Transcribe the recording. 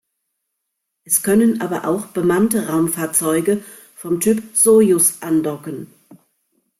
Es können aber auch bemannte Raumfahrzeuge vom Typ Sojus andocken.